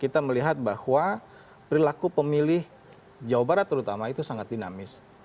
kita melihat bahwa perilaku pemilih jawa barat terutama itu sangat dinamis